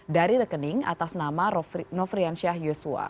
dari rekening atas nama nofriansyah yosua